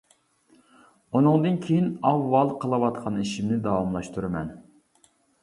ئۇنىڭدىن كېيىن، ئاۋۋال قىلىۋاتقان ئىشىمنى داۋاملاشتۇرىمەن.